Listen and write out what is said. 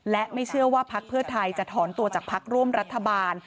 และไม่เชื่อว่าพักเพื่อไทยจะถอนตัวจากพักร่วมรัฐบาล